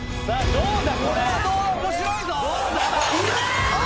どうだ？